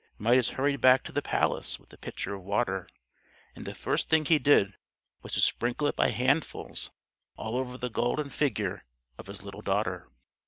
Midas hurried back to the palace with the pitcher of water, and the first thing he did was to sprinkle it by handfuls all over the golden figure of his little daughter.